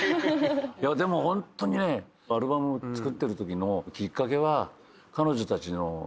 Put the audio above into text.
でもホントにねアルバム作ってるときのきっかけは。